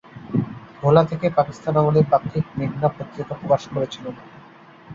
ভোলা থেকে পাকিস্তান আমলে ‘পাক্ষিক মেঘনা পত্রিকা’ প্রকাশ করেছিলেন।